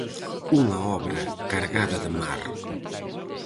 Unha obra cargada de mar.